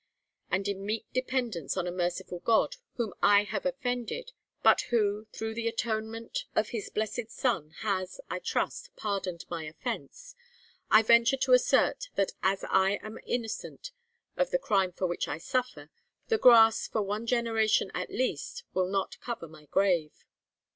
And in meek dependence on a merciful God, whom I have offended, but who, through the atonement of His blessed Son, has, I trust, pardoned my offence, I venture to assert that as I am innocent of the crime for which I suffer, the grass, for one generation at least, will not cover my grave.'